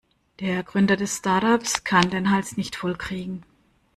Der Gründer des Startups kann den Hals nicht voll kriegen.